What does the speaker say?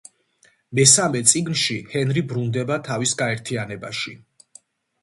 მესამე წიგნში, ჰენრი ბრუნდება თავის გაერთიანებაში.